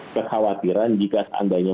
kekhawatiran jika seandainya